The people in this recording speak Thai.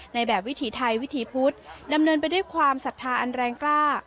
แบบวิถีไทยวิถีพุทธดำเนินไปด้วยความศรัทธาอันแรงกล้า